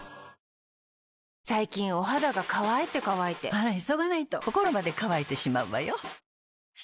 最近お肌が乾いて乾いてあら急がないと心まで乾いてしまうわよ。